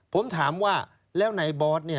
ผมถามว่าแล้วในบอสเนี่ย